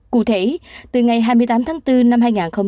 cụ thể từ ngày hai mươi tám tháng bốn năm hai nghìn hai mươi